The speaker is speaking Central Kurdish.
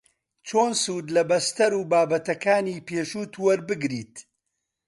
چۆن سوود لە بەستەر و بابەتەکانی پێشووت وەربگریت